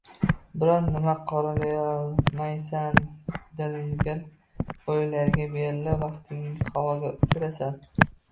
Biron nima qoralayolmaysan, dilgir o`ylarga berilib, vaqtingni havoga uchirasan